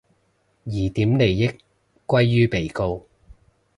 疑點利益歸於被告